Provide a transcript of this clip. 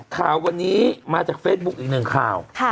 ข่าววันนี้มาจากเฟซบุ๊คอีกหนึ่งข่าว